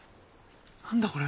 何だこれ？